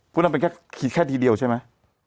คุณทำในไค่คิดทีเดียวใช่มั้ย